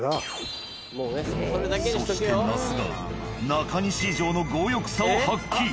そして那須が中西以上の強欲さを発揮。